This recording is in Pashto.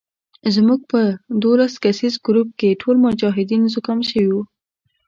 زموږ په دولس کسیز ګروپ کې ټول مجاهدین زکام شوي وو.